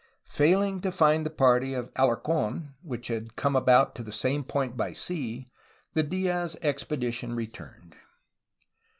Failing to find the party of Alarc6n, which had come to about the same point by sea, the Dfaz expedition returned.